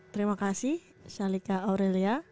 terima kasih shalika aurelia